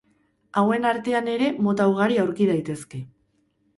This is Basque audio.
Hauen artean ere mota ugari aurki daitezke.